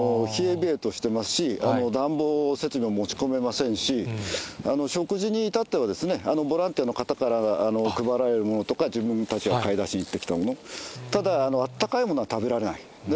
冷え冷えとしてますし、暖房設備も持ち込めませんし、食事にいたっては、ボランティアの方から配られるものとか、自分たちで買い出しに行ってきたもの、ただ、あったかいものは食べられない。